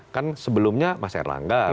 kan sebelumnya mas erlangga